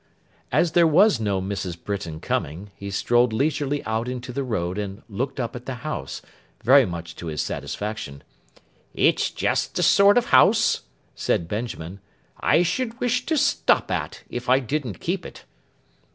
As there was no Mrs. Britain coming, he strolled leisurely out into the road and looked up at the house, very much to his satisfaction. 'It's just the sort of house,' said Benjamin, 'I should wish to stop at, if I didn't keep it.